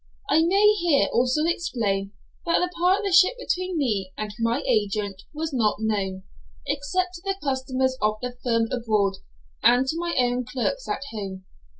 I may here also explain that the partnership between me and my agent was not known, except to the customers of the firm abroad and to my own clerks at home.